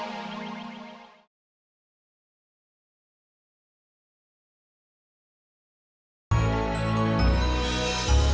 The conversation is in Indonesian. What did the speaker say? terminal suara cahaya